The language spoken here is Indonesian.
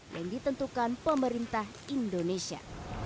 yang ditentukan pemerintah indonesia